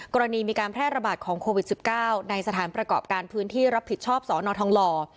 กรณีมีการแพร่ระบาดของโควิด๑๙ในสถานประกอบการพื้นที่รับผิดชอบสอนอทองหล่อ